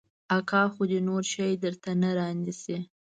اکا خو دې نور شى درته نه رانيسي.